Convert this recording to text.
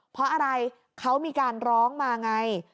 เพราะอะไรเขามีการร้องมาไง